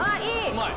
うまい！